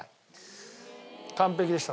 完璧でした。